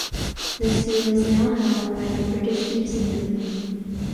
The seal is now held by the British Museum.